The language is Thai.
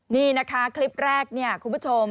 นี่นะคะคลิปแรกเนี่ยคุณผู้ชม